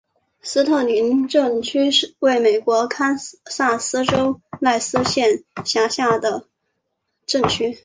斯特宁镇区为美国堪萨斯州赖斯县辖下的镇区。